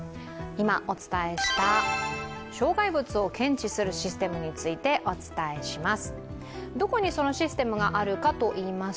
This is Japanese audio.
今お伝えした障害物を検知するシステムについてお伝えします。